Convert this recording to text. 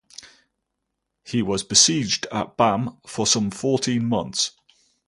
He was besieged at Bam for some fourteen months.